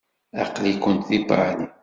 Aql-ikent deg Paris?